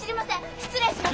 失礼します！